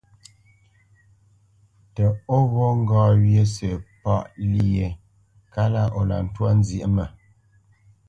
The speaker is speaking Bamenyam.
Tə ó ghó ŋgá wyé sə̂ páʼ lyé kalá o lǎ ntwá nzyěʼ mə?